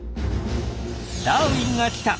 「ダーウィンが来た！」